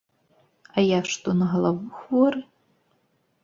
А я што, на галаву хворы?